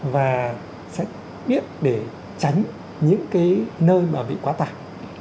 và sẽ biết để tránh những cái nơi mà bị quá tải